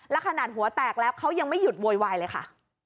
และขนาดหัวแตกแล้วเขายังไม่หยุดโวยวายเลยค่ะ